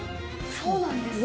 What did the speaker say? そうなんです。